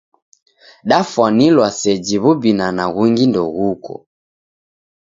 Dafwanilwa seji w'ubinana ghungi ndeghuko.